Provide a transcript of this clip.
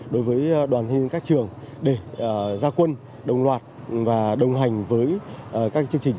đối với đoàn thanh niên các trường để gia quân đồng loạt và đồng hành với các chương trình